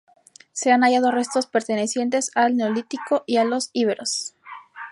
Se han hallado restos pertenecientes al Neolítico y a los Iberos.